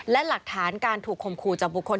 และหลักฐานการถูกข่มขู่จากบุคคล